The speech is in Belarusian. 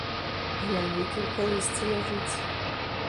Глянь, які ў калысцы ляжыць.